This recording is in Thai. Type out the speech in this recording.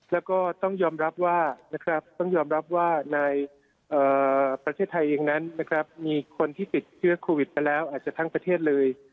แล้วก็ต้องยอมรับว่านะครับต้องยอมรับว่าในประเทศไทยเองนั้นนะครับมีคนที่ติดเชื้อโควิดไปแล้วอาจจะทั้งประเทศเลย